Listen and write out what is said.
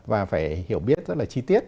và phải hiểu biết rất là chi tiết